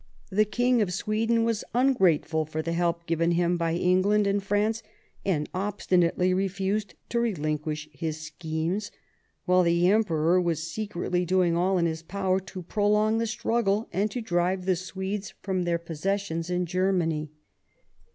The King of Sweden was ungrateful for the help given him by England and France, and obstinately refused to relinquish his schemes, while the Emperor was secretly doing all in his power to prolong the struggle and to drive the Swedes from their possessions in Germany.